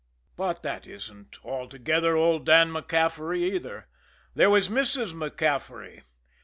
But that isn't altogether old Dan MacCaffery, either there was Mrs. MacCaffery.